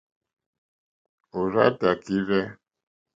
Òrzáā tākírzɛ́.